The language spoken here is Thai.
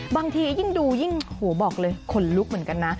บางทียิ่งดูยิ่งหัวบอกเลยคนลุกเหมือนกันนะ